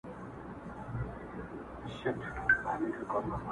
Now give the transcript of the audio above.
خو کله چې ټولنې جوړوو